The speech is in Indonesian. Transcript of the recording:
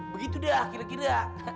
begitu dah kira kira